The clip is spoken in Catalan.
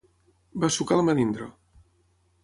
Va sucar el melindro